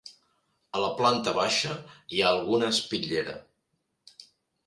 A la planta baixa, hi ha alguna espitllera.